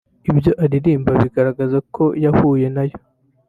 ibyo aririmba bigaragaza ko yahuye nayo